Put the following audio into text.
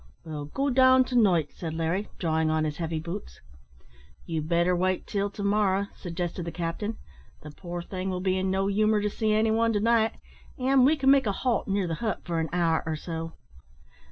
"I'll go down to night," said Larry, drawing on his heavy boots. "You'd better wait till to morrow," suggested the captain. "The poor thing will be in no humour to see any one to night, and we can make a halt near the hut for an hour or so."